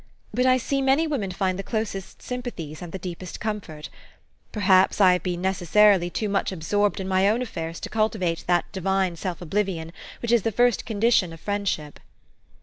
But I see many women find the closest sympathies and the deepest comfort. Per haps I have been necessarily too much absorbed in my own affairs to cultivate that divine self oblivion which is the first condition of friendship."